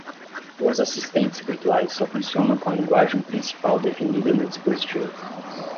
Os assistentes virtuais só funcionam com a linguagem principal definida no dispositivo.